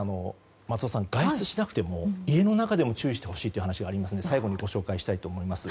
松尾さん、外出しなくても家の中にも注意してほしいという話がありますので最後にご紹介したいと思います。